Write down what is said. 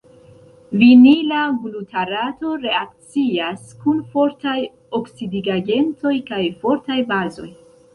Vinila glutarato reakcias kun fortaj oksidigagentoj kaj fortaj bazoj.